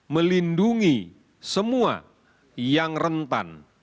melindungi semua yang rentan